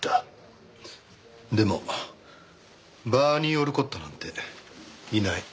でもバーニー・オルコットなんていない。